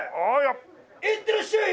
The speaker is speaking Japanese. いってらっしゃい！